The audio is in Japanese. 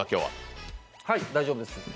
はい、大丈夫です。